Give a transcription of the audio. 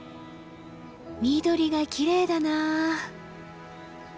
緑がきれいだなあ。